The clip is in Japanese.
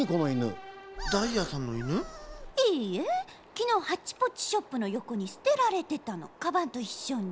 きのうハッチポッチショップのよこにすてられてたのカバンといっしょに。